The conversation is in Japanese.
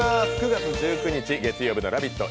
９月１９日月曜日の「ラヴィット！」